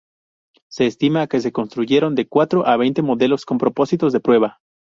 Se estima que se construyeron de cuatro a veinte modelos con propósitos de prueba.